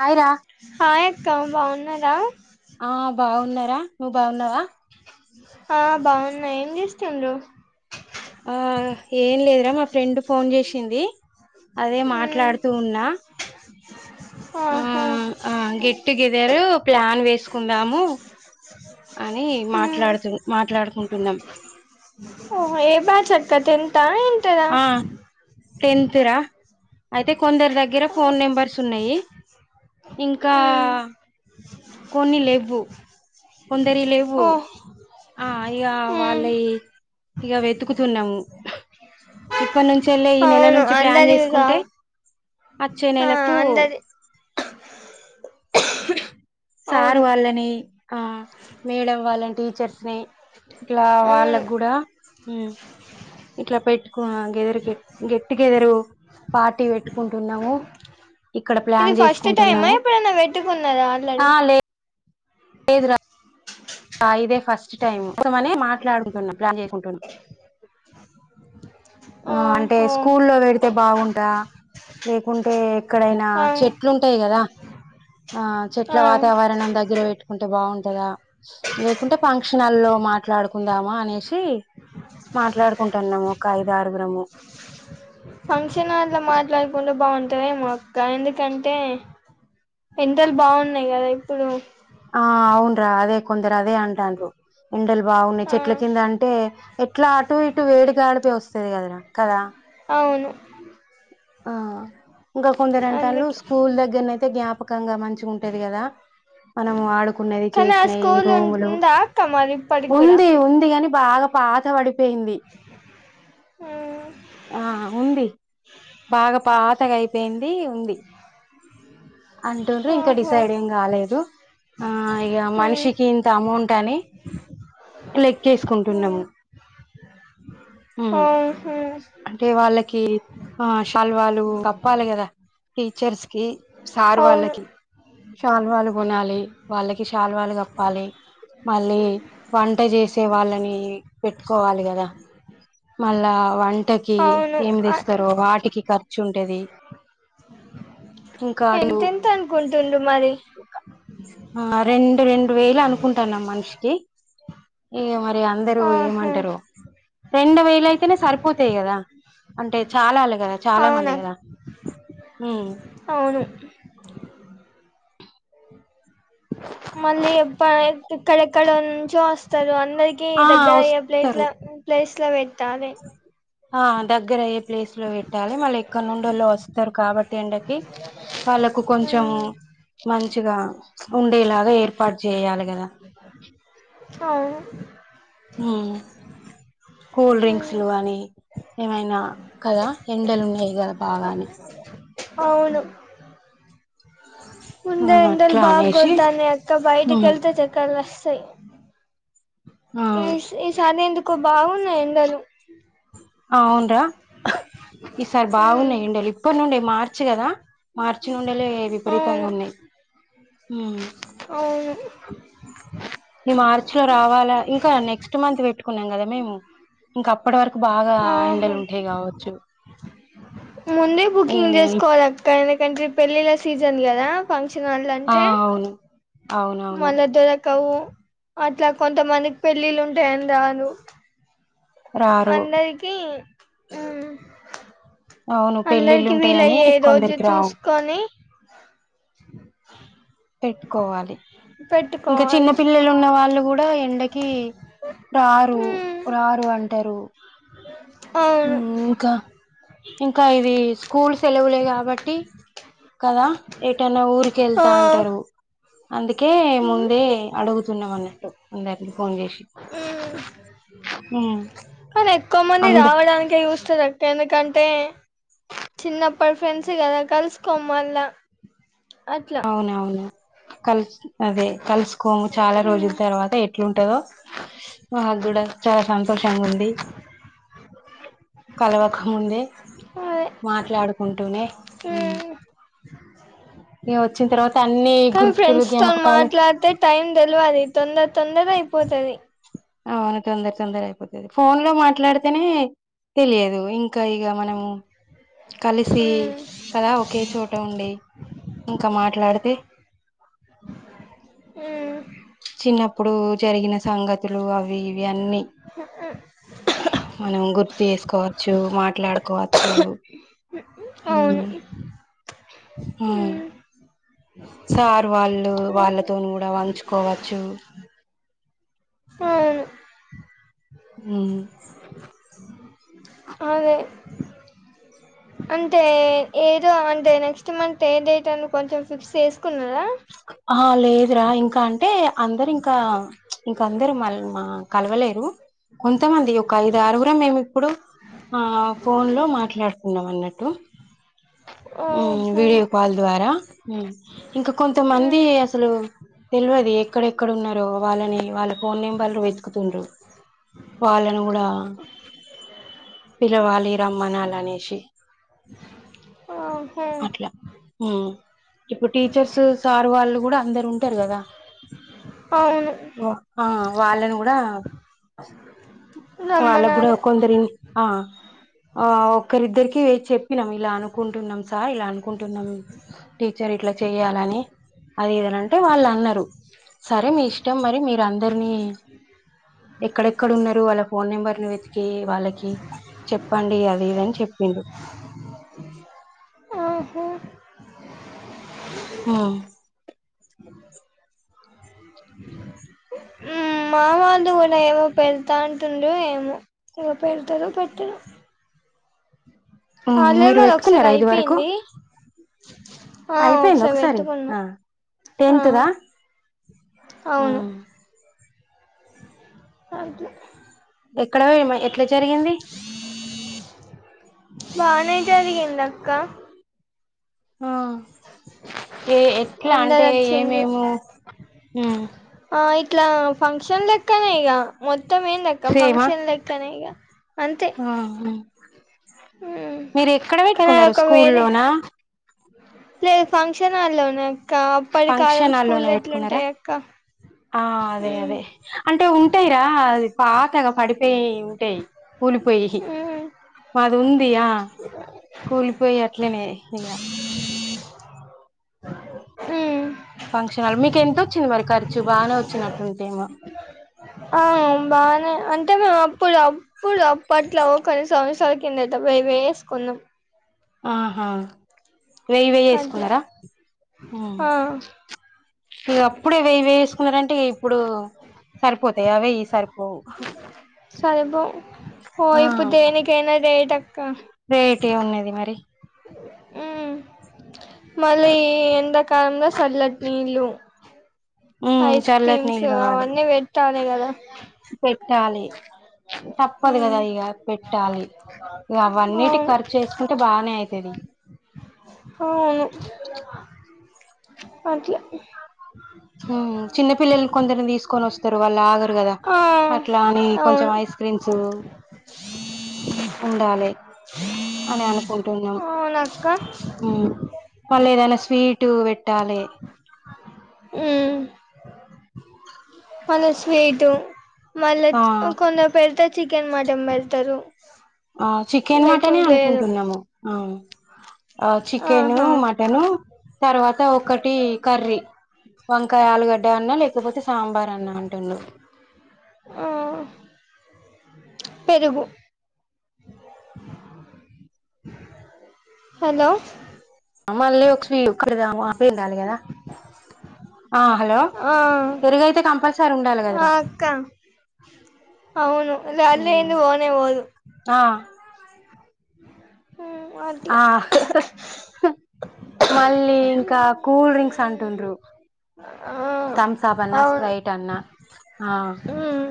Hi రా హా ఇ బాగున్నారా ఆ బాగున్నారా నువ్వు బాగున్నావా ఆ బాగున్నాయి ఏం చేస్తుండ్ర ఆ ఏం లేదురా మా ఫ్రెండ్ ఫోన్ చేసింది అదే మ్మ్ మాట్లాడుతూ ఉన్నా ఆ ఆహా అ గెట్ టు గెదర్ ప్లాన్ వేస్ కుందాము అని మ్మ్ మాట్లాడుతు మాట్లాడుకుంటున్నాం ఆ ఏ బ్యాచ్ అక్క టెన్త్ ఆ ఇంటర్ ఆ టెన్త్ రా అయితే కొందరి దగ్గర ఫోన్ నెంబర్స్ ఉన్నాయి ఇంకా మ్మ్ కొన్ని లెవ్వు కొందరి లేవు ఓ ఆ ఇక వాళ్ళ మ్మ్ ఇక వెతుకుతున్నాము ఇప్పటి నుంచ వెళ్ళ ఈ నెల అవును నుంచి ప్లాన్ అందరివిగా చేసుకుంటే వచ్చే ఆ నెలకు అందరి సారు అవును వాళ్ళని ఆ మేడం వాళ్ళని టీచర్స్ ని ఇట్లా అవును వాళ్ళకు కూడా ఇట్లా పెట్టుకున్న గెదార్ గె గట్ గెట్ గెదర్ పార్టీ పెట్టుకుంటున్నాము ఇక్కడ ఇది ప్లాన్ ఫస్ట్ టైమా చేసుకుంటున్నాము ఇప్పుడున్న వెట్టుకున్నదా ఆ లే కేదురా ఇదే ఫస్ట్ టైమ్మని మాట్లాడుకుంటున్నా ప్లాన్ చేసుకుంటున్నా ఆ అంటే ఓహో స్కూల్లో పెడితే బాగుం లేకుంటే ఇక్కడైనా ఆ చెట్లు ఉంటాయి కదా ఆ చెట్ల ఆ వాతావరణం దగ్గర పెట్టు ఉంటే బాగుంటదా లేకుంటే ఫంక్షనాల్లో మాట్లాడుకుందామా అనేసి మాట్లాడుకుంటున్నాము ఒక ఐదారుగురము ఫంక్షనాల్లో మాట్లాడుకుంటే బాగున్ టదేమో అక్క ఎందుకంటే ఎండలు బాగున్నాయి కదా ఇప్పుడు ఆ అవున్రా అదే కొందరు అదే అంటాండ్రు ఎండలు బాగున్నాయి ఆ చెట్ల కింద అంటే ఎట్లా అటు ఇటు వేడి గాడిపి వస్తది కదరా కదా అవును ఆ ఇంకా కొందరు అంటాండ్లు అందుకే స్కూల్ దగ్గరనయితే జ్ఞాపకంగా మంచిగుంటది కదా మనం ఆడుకున్నది కానీ ఆ చేసినయి స్కూల్ రూములు ఉందా అక్క మరి ఇప్పటికి కూడా ఉంది ఉంది కాని బాగా పాత వడి పోయింది ఆ ఉంది బాగా పాతగా అయిపోయింది ఉంది అంటుండ్రు ఇంకా ఓహో డిసైడ్ ఏం కాలేదు ఆ ఇగ ఉమ్, మనిషికి ఇంత అమౌన్ టనీ లెక్కేసుకుంటున్నము ఉమ్, మ్మ్ ఓహో అంటే వాళ్ళకి ఆష్ శాల్వాలు కప్పాలి కదా టీచర్స్ కి సార్ అవును వాళ్ళకి షాల్వాలు కొనాలి వాళ్ళకి షాల్వాలు కప్పాలి, మళ్ళీ వంట చేసే వాళ్ళని పెట్టుకోవాలి కదా మళ్ళా వంట కి అవును ఏమి ఆ, తెస్తారో వాటికి ఖర్చుంటది ఎంతెంత అనుకుంటుడు మరి ఆ రెండు రెం డు వేలు అనుకుంటాన్నం మనిషికి ఇగ మ రి అందరూ ఆహా ఏమంటరో రెండు వేలు అయితేనే సరిపోతాయి కదా అంటే చాలాల కదా. చాలా మంది అవునా కదా ఉమ్ అవును మళ్ళీ చెప్తలే ఎక్కడెక్కడ నుంచో వస్తరు అన్ దరికి ఆ దగ్గర అయ్యే వస్తారు ప్లేట్ల ప్లేస్ ట్ల వెట్టాలె ఆ దగ్గరయ్యే ప్లేస్ లో పెట్టాలి మళ్ళ ఎక్కడ నుండోళ్ళో వస్తారు కాబట్టి ఎండకి వాళ్ళకు కొంచెం ఉమ్, మంచిగా ఉండేలాగా ఏర్ పాటు చెయ్యాలి కదా అవును ఊ కూల్ ఉమ్, డ్రింక్స్లు అని ఏమైనా కదా ఎండలు ఉన్నాయి కదా బాగానే ఔను ఆ ముందే ఎండలు అట్లా బాగ అనేసి గొడతాన్నై అక్క ఉమ్ బయటకెళ్తే చెక్కగా తై ఆ ఈ ఈ సార్న్ ఎందుకో బాగున్నాయి ఎండలు అవునరా ఈసారి ఉమ్ బాగున్నాయి ౠండలు ఇప్పటి నుండే మార్చ్ కదా మార్చి నుండలే విపరీతంగా అవును ఉన్నాయి హ అవును ఈ మార్చి లో రావాలా ఇంకా నెక్స్ట్ మంత్ పెట్టుకున్నాం కదా మేము ఇంకా అప్పటి వరకు బాగా ఆహా ఎండలు ఉంటాయి కావచ్చు ఊ పెంట్రి పెళ్ళిల సీజన్ కదా ఫన్ వచ్చినళ్ళ ఆ అంటే అవును అవునవును కవు అట్లా కొంతమందికి పెళ్ళిళ్ళ ఉంటాయని రాను రారు అందరికి ఉమ్ అవును పెళ్ళిళ్ళు అందరికి వీల ఉంటాయని అయ్యే రోజు కొందరికి రావు చూసుకొని పెట్టుకోవాలి ఇంకా చిన్న పెట్టుకోవాలి పిల్లలు ఉన్న వాళ్ళు కూడా ఎండకి రారు రారు అంటారు అ ఇంకా ఇంకా ఇది స్కూల్ సెలవులే కాబట్టి కదా ఎటైనా ఊరిక ఆ వెళ్తా అంటారు అందుకే ఉమ్ ముందే అడుగు స్తున్నాం అన్నట్టు అందరిని ఫోన్ చేసి ఉ కానీ ఎక్కువ మంది అంద రావడానికి చూస్త ఎందుకంటే చిన్నప్పటి ఫ్రెండ్స్ కదా కలుసుకో మళ్ళా అట్లా అవునవును కలిసిఅదే కలిసు కోంగ చాలా రోజుల ఉమ్, తర్వాత ఎట్లుంటదో మాకు కూడా చాలా సంతోషంగా ఉంది కలవకం ముందే అదే మాట్లాడు ఉంటూనే హుమ్మ్ ఉమ్. ఈగ వచ్చిన తర్వాత అన్ని కానీ గుర్తులు ఫ్రెండ్స్ తో జ్ఞాపకాలు మాట్లాడితే టైమ్ తెలివదు తొందర తొందర అన్నదా ఇపోతుది అవును తొందర తొందర అయిపోతుది ఫోన్ లో మాట్లాడితేనే తెలియదు ఇంకా ఇక మనము కలిసి ఉమ్, కదా ఒకే చోట ఉండి ఇంకా మాట్లాడితే ఉమ్, చిన్నప్పు ప్పుడు జరిగిన సంగ లు అవి ఇవి అన్నీ మనం గుర్తు ఎసుకోవచ్చు మాట్లాడుకోవచ్చు అవును హుమ్మ్ ఉమ్, హుమ్మ్ సార్ వాళ్ళు వాళ్ళతోనీ కూడా వంచుకోవచ్చు ఆవును హుమ్మ్ అదే అంతే ఏదో అంతే నెక్స్ట్ మంత్ ఏ డేట్ అని కొంచెం ఫిక్స్ చేసుకున్నారా ఆ లేదురా ఇంకా అంటే అందరు ఇంకా ఇంకా అందరు మల్ మా కలవలేరు కొంతమంది ఒక ఐదు ఆరుగురం మేం ఇప్పుడు ఆ ఫోన్ లో మాట్లాడుకున్నాం అన్నట్టు ఉమ్ ఓహో వీడియో కాల్ ద్వారా ఇంకా కొంతమంది ఉమ్, అసలు తెలివది ఎక్కడెక్కడ ఉన్నారో వాళ్ళని వాళ్ళ ఫోన్ నెంబర్లు వెతుకుతుండ్రు వాళ్ళను కూడా పిలవాలి రమ్మనలనేషి ఆహా అట్లా మ్ ఇప్పుడు టీచర్స్ సారు వాళ్ళు గుడా అందరు ఉంటరు కదా అవును వా ఆ వాళ్ళని కూడా ఆ వాళ్ళక్ గూడా రమ్మనాలే కొందరిన్ ఆ ఆ ఒక్కరిద్దరికి చెప్పినాం ఇలా అనుకు కుంటున్నాం సార్ ఇలా అనుకుంటున్నాం టీచర్ ఇట్లా చేయాలని అది ఇదనంటే వాళ్ళు అన్నారు సరే మీ ఇష్టం మరి మీరు అందరినీ ఎక్కడెక్కడ ఉన్నారు వాళ్ళ ఫోన్ నెంబర్ని వెతికి వాళ్ళకి చెప్పండి అది ఇదని చెప్పిండు ఆహా ఉ మావాళ్ళు కూడా ఏమో పెళ్ తా అంటుండు ఏమో ఇగ పెడతరో పెట్టరో ఆ ఉమ్ లేదు మీరు మాది ఒకసారి అయిపోయింది ఆ అయిపోయిందా ఒకసారి పెట్టుకున్నాం ఆ ఆ టెన్త్ దా ఊ పడ్ల ఎక్కడో ఏమో ఎట్లా జరిగింది. ఏం జరిగింది అక్క. ఆహ్ ఏ ఎట్లా అందరు అంటే వచ్చిండ్రు ఏమేమో ఉమ్. ఆ ఇట్లా ఫంక్షన్ లెక్కనే ఇక మొత్త మొత్తం ఏందక్క సేమా ఫంక్షన్ లేక్కనే ఇగ. అంతే ఆ ఆహ్. మ్ మీరు ఎక్కడ కానీ పెట్టుకున్నారు అదొక వేరే స్కూల్లోనా. లేదు ఫంక్షన్ హాల్లోనే అక్క. అప్పటి కాలం ఫంక్షన్ స్కూల్ హాల్లోనే పెట్టుకున్నారా ఎట్లుంటాయి అక్క ఆహ్ అదే మ్ అదే అంటే ఉంటాయి రా అది. పాతగా పడిపోయి. ఉంటాయి కూలిపోయి మ్ మాది ఉందియా కూలిపో పోయి అట్లానే ఇగ. మ్ ఫంక్షన్ హాలు మీకు ఎంత వచ్చింది మరి ఖర్చు బాగానే వచ్చినట్టుందేమో ఆహ్ బాగానే అంటే మేము అప్పుడు అప్పుడు అప్పట్లో కొన్ని సంవత్సరాల కింద అయితే మేమే చేసుకున్నాం. ఆహా. వెయ్యి వెేయి అట్లా వేసుకున్నారా ఉమ్ ఆ అప్పుడే వెేయి వేయి వేసుకున్నారంటే ఇప్పుడు సరిపోతాయ ఆ వేయి సరిపోవు సరిపోవ్ ఓ ఇప్పుడు ఉమ్. దేనికైనా రేట్ అక్క రేట్ ఏం ఉన్నది మరి. ఉమ్. మళ్ళీ ఎండాకాలంలో సల్లటి నీళ్ళు. ఉమ్ ఐస్ చల్లటి క్రీమ్స్ నీళ్ళు కావాలి అవన్నీ పెట్టాలా కదా. టాలి. తప్పదు ఉమ్ కదా ఇగ పెట్టాలి. ఇగ అవన్నిటికి అవును ఖర్చు వేసుకుంటే బాగానే అయితది. అట్లే. ఉహూ చిన్న పిల్లల్ని కొందరిని తీసుకొని వస్తరు వాళ్ళు ఆగరు. కదా ఆ అట్లా అని కొంచెం అవును ఐస్ క్రీమ్స్. ఉండాలి అని అనుకుంటున్నాం. అక్క మ్మ్ మళ్ళీ ఏదైనా స్వీటు పెట్టాలె. మల్ల స్వీటు. ఆ మళ్ళోచ్చి ఇంకొందరికి పెడితే. చికెన్ మటన్ పెడతరు. ఆహ్ చికెన్ మటనే అనుకుంటున్నము ఆహ్. ఆ చికెను ఆహా మటను తర్వాత ఒకటి కర్రీ వంకాయ ఆలుగడ్డ అన్నా లేకపోతే సాంబార్ అన్నా అంటుండు ఆ పెరుగు హలో మళ్ళీ ఒక స్వీ క [inaudible] పెల్లాలి గదా ఆ కంపల్సరీ ఉండాలి ఆ కదరా అక్క అవును అది ఉమ్ లేనిది ఓనే ఓదు ఆ అట్లా ఆ మళ్ళీ ఇంక కూల్ డ్రింక్స్ అంటుండ్రు ఆ తమ్సాప్ అన్నా అవును స్ప్రైట్ అన్నా ఆ ఉమ్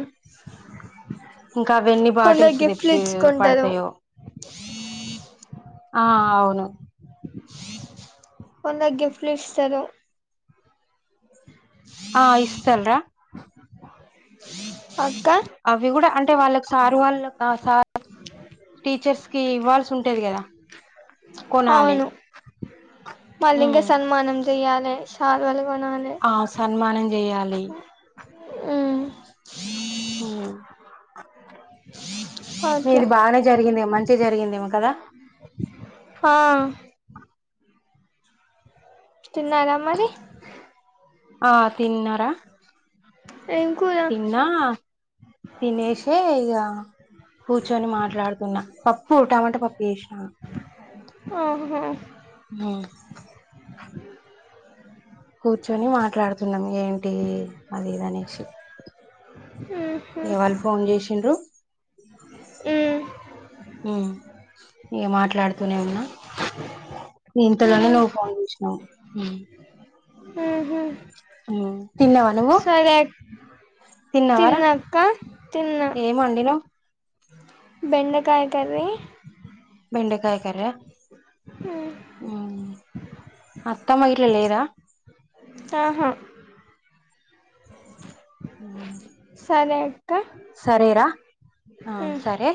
ఇంకా అవెన్ని కొందరు బాటిల్స్ గిఫ్ట్లు తెప్పి ఇచ్చుకుంటారు పడతయో ఆ అవును కొందరు గిఫ్ట్లు ఇస్తరు ఆ ఇస్తలురా అక్క అవి కూడా అంటే వాళ్ళకి సారు వాళ్ళ సార్ టీచర్స్ కి ఇవ్వాల్సి ఉంటది కదా కొనాలి అవును షాల్వ ఆ సన్మానం చేయాలి ది ఊ హ న అట్లా ఇది బానే జరిగింది మంచిగా జరిగిందేమి కదా ఆ చిన్నాగామ్మది ఆ తిన్నార ఏం కూర తిన్నా తినేసే ఇక కూర్చొని మాట్లాడుతున్నా పప్పు ఉంటామంటే పప్పు చేసినాను ఆహా కూర్చొని మాట్లాడుతున్నాం ఏంటి అంటే అది ఇదినేసి ఉహు ఎవాళు ఫోన్ చేసిండ్రు ఈ ఏ మాట మాట్లాడుతూనే ఉన్నా ఇంతలోనే ఉమ్ నువ్వు ఫోన్ చేసినావు హ ఆహా తిన్నావా నువ్వు తిన్నవరా తిన్నాక్క తిన్నా ఏమ వండిలో బెండకాయ కర్రీ బెండకాయ క ఆ ఆ అత్తమ్మ ఇట్లా లేదా ఆహా సరే అ అక్క సరే రా ఆ ఉమ్ సరే